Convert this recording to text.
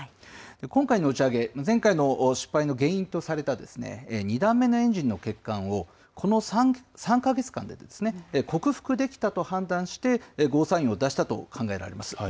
今回の打ち上げ、前回の失敗の原因とされた２段目のエンジンの欠陥を、この３か月間で克服できたと判断して、ゴーサインを出したと考えられます。